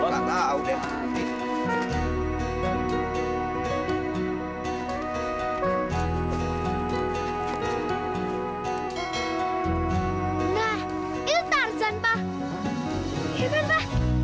buat minta maaf denganmu